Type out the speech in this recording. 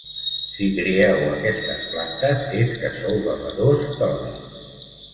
Si crieu aquestes plantes és que sou bevedors d'oli.